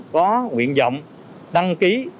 có nguyện dọng đăng ký